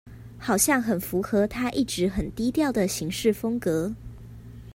好像很符合他一直很低調的行事風格